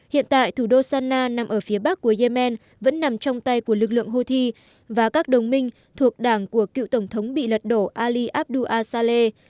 hiện tại thủ đô sana nằm ở phía bắc của yemen vẫn nằm trong tay của lực lượng houthi và các đồng minh thuộc đảng của cựu tổng thống bị lật đổ ali abdu asale